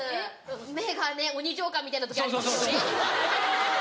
目がね鬼教官みたいな時ありますよね。